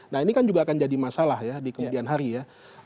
nah ini kan juga akan jadi masalah ya di kemudian hari ya